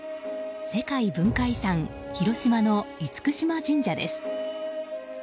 世界文化遺産広島の厳島神社です。